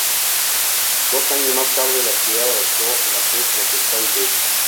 Dos años más tarde la ciudad adoptó la fe protestante.